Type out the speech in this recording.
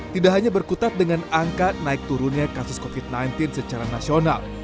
tidak hanya berkutat dengan angka naik turunnya kasus covid sembilan belas secara nasional